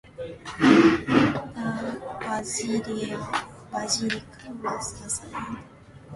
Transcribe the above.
The Basilica was assigned to the Patriarchate of Jerusalem.